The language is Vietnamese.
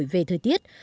về thời tiết